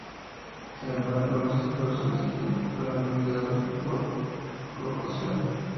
Sin embargo, los esfuerzos de Jin fueron bloqueados por Gojoseon.